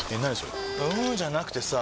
んーじゃなくてさぁ